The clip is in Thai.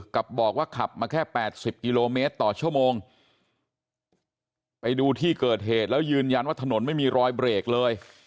กับบอกว่าขับมาแค่แปดสิบกิโลเมตรต่อชั่วโมงไปดูที่เกิดเหตุแล้วยืนยันว่าถนนไม่มีรอยเบรกเลย